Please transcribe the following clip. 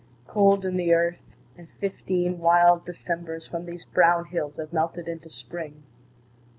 Cold in the earth, and fifteen wild Decembers From these brown hills have melted into Spring.